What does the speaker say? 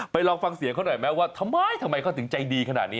ลองฟังเสียงเขาหน่อยไหมว่าทำไมทำไมเขาถึงใจดีขนาดนี้